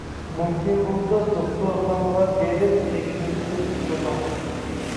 مۇمكىن بولسا دوختۇرخانىغا بېرىپ تەكشۈرتۈپ كۆرۈڭ.